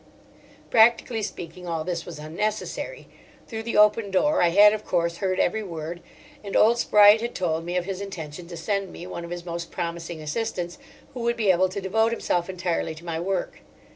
Practically speaking, all this was unnecessary. Through the open door I had, of course, heard every word; and old Spreight had told me of his intention to send me one of his most promising assistants, who would be able to devote himself entirely to my work.